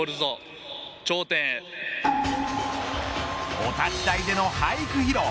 お立ち台での俳句披露。